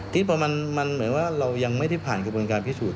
ที่พอมันเหมือนว่าเรายังไม่ได้ผ่านกระบวนการพิสูจน